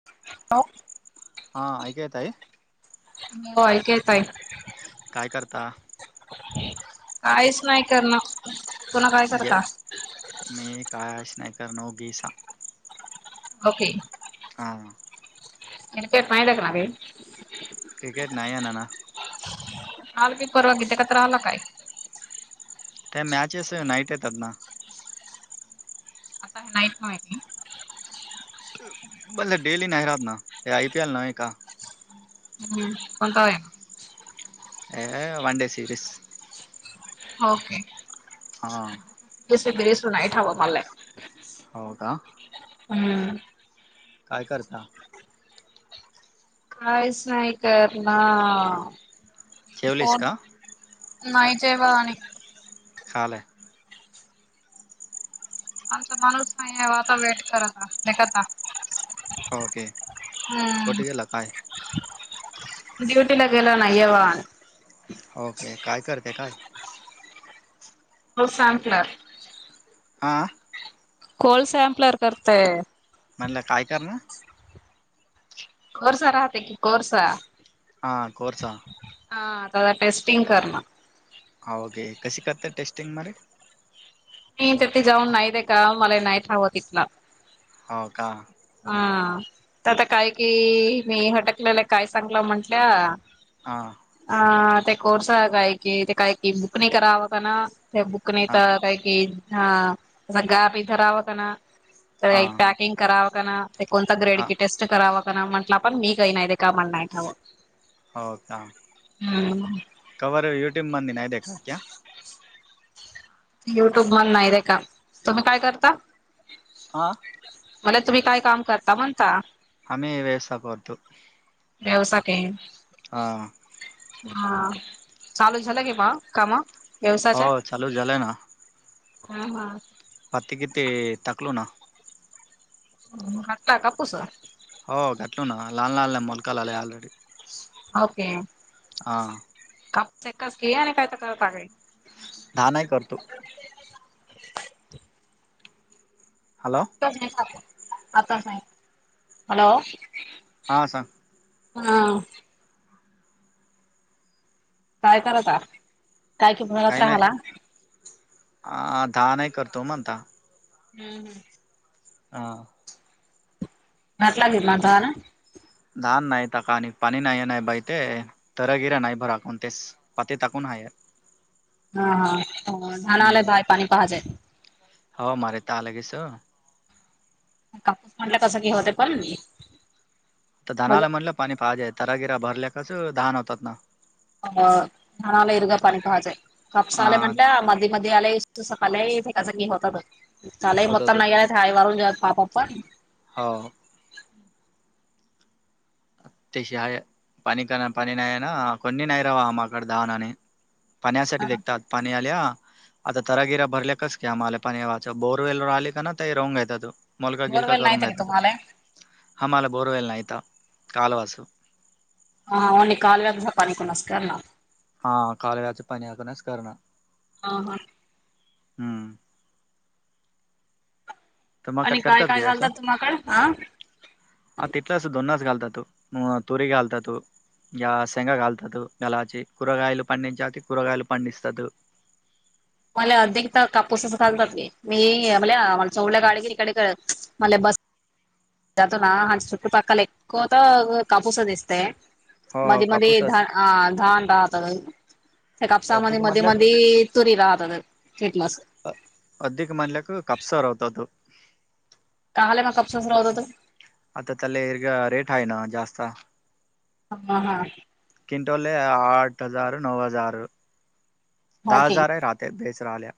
[unintelligible] हां ऐकू येतय. हो ऐकू येतय. काय करता. काहीच नाही करण तुन्हा काय जे करता मी कायशनॅकरनो ग स ओके हा एत् नाही टेकणार क्रिकेट नाही आहे ना ना आल बी परवागित का तर राहिला काय ते मॅचस नाईट येतात ना आता हे नाहीत मा माती ब डेली नाही रात ना हे आय पी एल ना आहे का हम्म कोणता आहेई ए वन डे सिरीज ओके हा बिरेस नाही ठव मला हो का हम्म काय करता कायच ना कार नान जेवलीस का नाही जयवा आणि खाले आहे. आमचा माणूस नाही आहे आता वेट करता घता ओके हम्म कोठ गेला काय ड्युटीला गेल नाहीयवान ओके काय करते काय हो सांपला ह कोल्स सॅम्पलर करतय म्हणलं काय करण कोर्सा राहते की कोरसा हां कोर्स ह त टेस्टिंग करण हा ओके कशी करत टेस्टिंग मध्ये मी तर त ते जाऊन नाहीते का मला नाही ठ हवं तिथला हाव का हा तर आता काय कि मी हटकलेलं काय सांगलं म्हंटल्या हां ह ते कोर्स काय कि ते काय कि बुक नाही कराव ना बुकणी हा तर का कि ह गा पिधरावत ना तर हा पॅकिंग करावं का ते कोणता हा ग्रेड किटे अस करावं म्हटलं पण मी काही नाही ते का म्हण नाही कावं हो का हम्म कवर युट्यूम मंद नाय दे्या काक्या युट्यूब मण नाही रे का तुम्ही काय करता हा मला तुम्ही काय काम करता म्हणता आम्ही व्यवसाय करतो व्यवसा का हां हा चालू झालं कि बा काम हो व्यवसायाच्या चालू झालंय हा हा पात क ते टाकलो ना. [inaudible] हो घाटलो ना लहान लहान ल मोलका ला आला [unintelligible] ओके हां काप एकाच घ आणि काय तर करत का [unintelligible] द नाही करतो [unintelligible] हॅलो आता नाही हॅलो हां सांग हा काय करत काय कि म्हणत काही नाही राहाला आ दहा नाही करतो मणता हम् हम्म हा घात लागेल मात ना [unintelligible] धान नाय ताका काणी पणी नाहीय नाही [unintelligible] तर घर्या नाय भरा कोणतेच पाते ताकूनण हाय [unintelligible] हा हा धान ला आहे पाणी पहा जाय [unintelligible] हो मारे तालागे सं कापूस म्हटलं कसं घ होत पण [unintelligible] तर मले धनाला म्हणलं पाणी पाहाजे तागिरा भरल्या कस धान होतात ना अ धनाला इरगा पाणी पाहाजय कपसाले हा म्हंटल्या म आलाय सकाल होत लाय होतात मता होतात. नाही [unintelligible] छाय मारून घ्यात पापाप् हो अ तेशहाय पाणी का पाणी नाहीय ना कोणी नाहीै रावाम अकड दाहाना आणि पाण्यासाठी देखतात पाणी आल्या आता तरागिरा भरल्या कास की आम्हाला पाण वाच बोरवेलवर आली का ना ते रहंग येत तू मोलका गिलका बोरवेल करू नाहीत घा की येत त तुम्हाला हा मला बोरवेल नाही यता कालवास ह ओननी काल व्यागसा पनी कोणास्कार ना [unintelligible] हा कालव्याचं पाणी अूनच करणं ह ह हम्म तर माकड आणि काय करतात की काय व्यवसाय घालतात तुम्हाकड ह हा तथलाच दोन्स घातात तू तुरी घलतात तू [unintelligible] या शेंग घालतात गलाची करगयला पंडीचीगयला पंडीतात [unintelligible] मला अधिक तर कापूसच चालतात नाही मी म्ह उड्या गाळेगिरीकडे [unintelligible] मले बस जतना ह चुटूपकाला एक्कवत कपूसधस् [unintelligible] हो हो मध्ये मध्ये कापूस अ धान राहतात त्या कापसा म मध्ये म्हटलं मध्ये तुरी राहतात टलंस अधिक मधल्याक कापसा रोवतात काय मग कप् सुरवत होतो [unintelligible] आता त्याले इर्ग रेट हाय ना जास्त हां हां क्विटोले आठ हजार नऊ हजार दहा ओके हजार आहे राहते बेच राले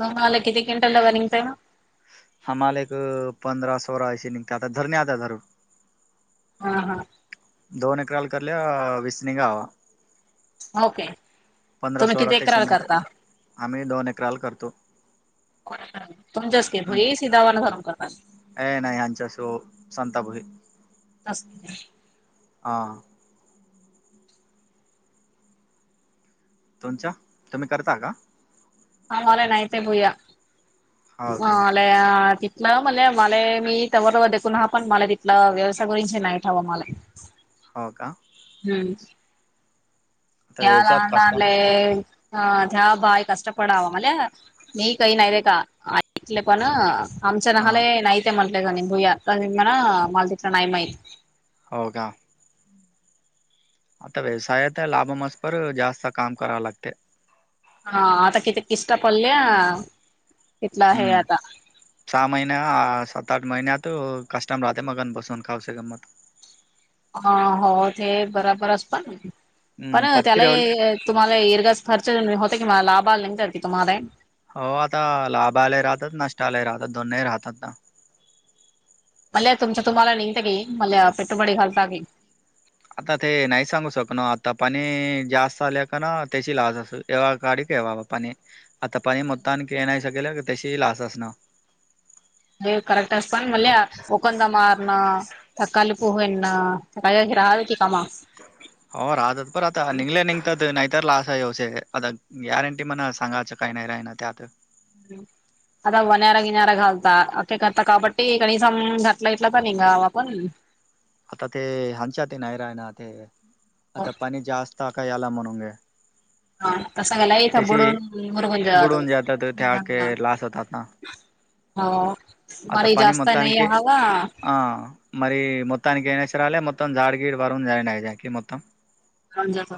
मग मला किती किंटा ल वर्िंग आहे ना [unintelligible] हमले एक पंधरासो राशी निघत आता धरणे आता जरूर हा हा दोन एकराल कराले विस नींगावा ओके पंधरा तुम्ही सोळा तशी किती्रल निघते करता आम्ही दोन एकराल करतो तुमच्याच के भई सिधावाना सरू करतात अ नाही आच्या शो सांताभही तस् हां तुमच्या तुम्ही करता का ह मले नाहीह ते भूया हो ह के तिथलं म्हण मला मी तवर देून ह पण मला तिथलं व्यवसाय करून नाही ठ हवां मला हो का हम्म आता याला व्यवसायात कष्ट आणलाानले ह त्या बाय कष्टपडावा मला म काही नाही दे का आईले पण आमच्या हा नाले नाहीहते म्हणटले कानी भूया मना माला तिकला नाही माहि हो का आता व्यवसायात लाभमसपर जास्त काम कराव लागते हा आता किथ किस् पडल्या तिथला आहे आता चहा महिन सात आठ महिनत कस्टमर राहते मगन बसून खाऊ श गं मत हा हो ते बरोबरच पण हम्म पण पत्ती त्याला रवल तुम्हाला इर्गास खर्च होते कि मला लाभाला नाही तरी तुम्हाला हो आता लाभ आले राहतात नष्ट आले राहतात दोन्ही राहतात ना मल्ल तुमच्या तुम्हाला निंतगे मल पट बडी घल्टगी आता ते नाही सांगू शकन आता पाणी जास्त आले का ना त्याची लाच असे तेव्हा गाडी कवा बा पाणी आता पाणी मता आणखी नाही शकेल का त्याशी लास असणं अ करक्ट अस पण मल वकंद मार ना तकाळीली पूहू ना तकाळी राहा च कामा हो राहतात बर आता निघले निघतात नाहीतर लाश आहे्यवश आता गॅरंटी मणा सांगायच काही नाही राहि ना त्यात ह आता वनरा गिनऱ घालता अे करता काबटी कण सम घटलं इटलं तर नि गाव आपण आता ते हांच्याात नाही राय ना ते आता पाणी जास्त आ का याला म्हणूने हा तसा गेला इथं त्याची बुडून मुरगून जातो बुडून जेातात त्याक लास होतात ना हो आता मरी पणी जास्त नाही मतक हवा हह मरी मताा क ये नच रले मतम जाडगीडी वरून ज जाईन आहे जाा ककी मतम रजात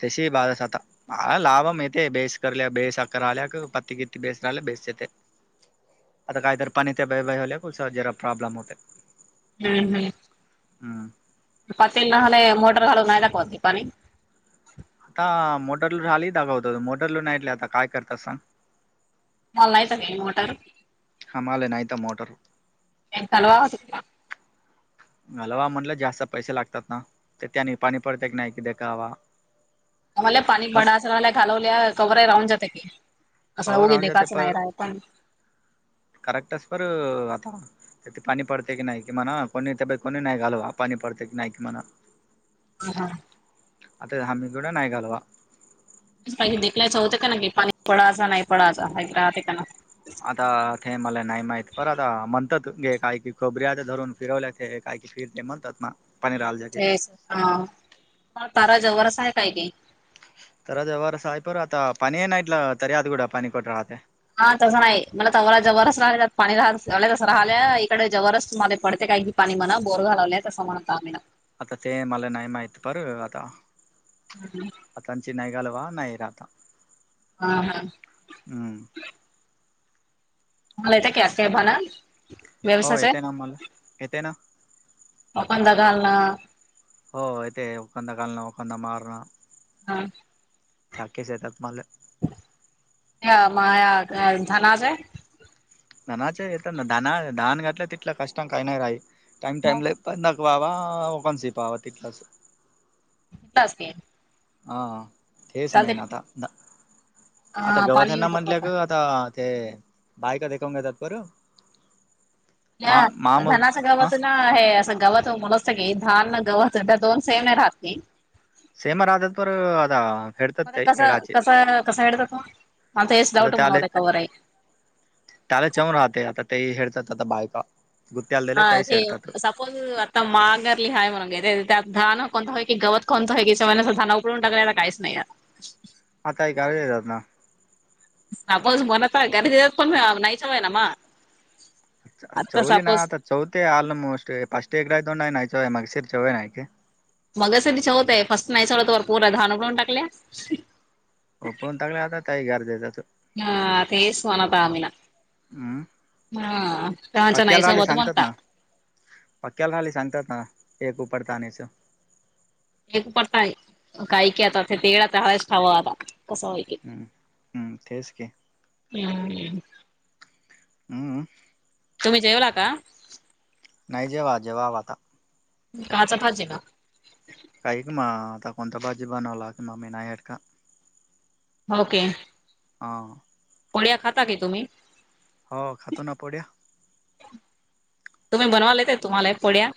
त्याशी बाारस आातता ह लाभम येते बेस कर बेस अखरा आल्या पत्ती किती बेस राहिला बेस येते आता काहीतरी पाणी ते बय बाले कु जरा प्रॉब्लेम होते हम्म हम् हम्म पातल ना हले मोटर घालून नाही दावते पाणी आता मोटर लू राहिली दागावत मोटर लू नाहीटले आता काय करतात सांग मलायत नाही मोटर हमले आहे नाता मोटर एक सलवा घलवा म्हटलं जास्त पैसे लागतात ना तर त्याने पाणी पडत क नाही कि दे कावा आम्हाला पाणी बडा असला घालवल्या कवरा राहून जात की असं हो होऊगे राहून नाही काच नाही राय पण करेक्टस परर आता त्याती पनी पडते क ना नाहीकी मणा कोणी ते कोणी नाही कलवा पनी पडते क ना नाहीकी म ह, हा. आता हमी कड नाहीय घालवा. आधी देखलायचं होत का, ना की पाणी पळाचा. नाही पळाचा. राहते का ना? आता ते मला नाही माहित. पर आता म्हणतात गे काय की, खबऱ्या आता धरून फिरवल्या ते अक्चुअली ते म्हणतात ना पाणी हम्म. राहिल की तेच, हा. तारा जवरच हाय काय की. तारा जवरच हाय. पर आता पाणीय नाइट ला, तरी आद गुडा पाणी पड राहतय. हा तसं नाही. मला तव जवरच राहिले, पाणी राह तस राहिल्या. इकडे जवरच मध्ये पडते काय की. पाणी म्हणा, बोर घालवलेय, तसं म्हणत आम्हीला. आता ते मला नाही माहीत पर, आता [inaudible] आतांची नाही गालवा, नाही राता. ह, हा. हम्. [unintelligible] हो. येतय ना मला. येते ना. ओपन दादा आल ना. हो. अ ते खंद कलना खंद मारणा. हा. [unintelligible] येतात मल. माया अ झानाजय. धनाचे येतना. धना -धान घातलं तितलं कष्ट काही नाही राही. टाइम -टाइमला पण वावा कोण सी पावा तिकलास. कुठं, असते? हा. तेच चालते नाहीेन आता. आता हा पाणी येऊन गवथ्यांना जात म्हणल्या ग आता ते, बाईका देखंग घेतात बरं. या. धनाच्या हा गवत. ना हे असं गवत मुण असत की. धान ना गवत दोन सेम नाही राहती. सेमा राहतात, पर आता फेडतात म ते कस, हेडाचे कस कसा हडत तू. माता हेच आता डाऊट त्याले म्हणवते का वरही. त्याला चेवन राहते. आता तेही हेडतात आता बायका. गुत्त्याला दिले हा तहीच ते हेडतात. आता मांगरली हय म्हनग. त्यात धान कोणता हाय की, गवत कोणत की. हे स धान [unintelligible] टागला काहीच नाही. आता हे गावी येतात ना. [unintelligible] पण नाहीच आहे नामा. चवली ना आता. चवथ आहे आलमोस्ट. फस्ट एकडा तों ना चय मगशीर चवय नाय. मग स तिच्या होतं. फस्ट नाही सलवत वर पूरन उडवून टाकल्या. उपळून ताकल्या आता तही गरज यचात. ह तेस वानता आमीना. अं. हा चानस नाहीस बदु मनता. पक्याला खाली सांगताता. एक उपर तानिसा. एक पडताय. काही की आता. ते तेे डा त्या ठाव आता. कसं होई. हम्, ह्. तेच की. हम्. अ, अं. तुम्ही जेवला का? नाही जेवा, जेवाव आता. काचा भाजे का? काही क मा. आता कोंता बाजी बणवला लाख मामी ना याट का. ओके हां पोळ्या खाता काी तुम्ही हो खातो नपड्या तुम्ही बनवालाेत तुम्हाला एक पड्या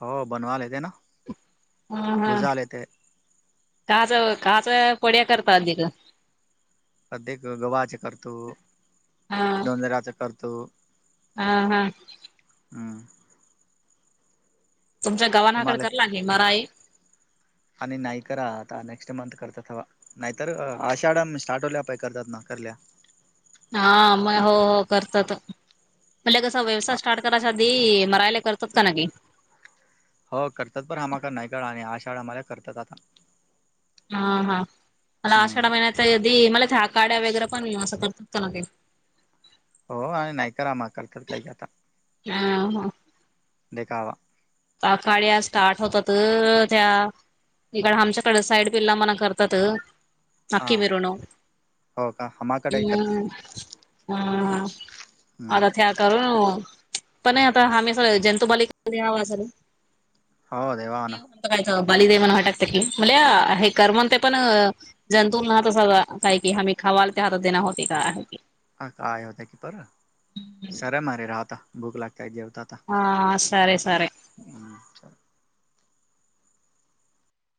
हो बनवालाेत ना हा हा भुजाला येते काच काच पड्या करतात अधिक कधक गव्हाचे करतो दोंदराचं करतो हम हम हम्म तुमच्या गवानाकड तुम्हाला कला आहे मराय आणि नाही करा आता नेक्स्ट मंथ करतात हवा नाहीतर आषाढ्या स्टार्ट होल्या पाहि करतात ना करल्या हा मग हो हो करत म्हज कस व्यवसाय स्टार्ट तरराध मरायला करतात का की हो करतात पण हमा नाही काळा आणि आशाळाम्हाला करतात आता हा हा मला हम्म आषाढा महिन्याती मला त्याकाड्या वगैरे पण असं करतात का ना काही हो आणि नाही करामा करतात काही क आता हा ह देखावा आखाड्या स्टार्ट होत तर त्या इकड आमच्याकड साईड पिल्ला मना करतात नक्की मिरून हम् हो का हमाकडे करतात हा हम्म आता हथर कर पण नाही आता हम्ही सर जंतुबालिकाव सर हो देवा ना कायचं बालीदेव म्हण वाटत म्हण हे कर म्ह ते पण जंतूंना तस काय कि हम्ही खवाल त्या हातात देणार होते का आहे हा काय होता कीपर सर मर राहता भूक लागताय जेवता आता हा सर सर हम्